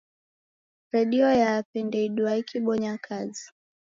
Redio yape ndeiduaa ikibonya kazi.